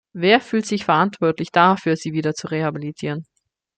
Wer fühlt sich verantwortlich dafür, sie wieder zu rehabilitieren?